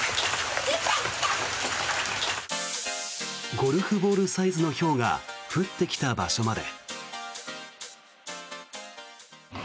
ゴルフボールサイズのひょうが降ってきた場所まで。